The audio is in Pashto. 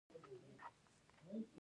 ایا زه باید په فاریاب کې اوسم؟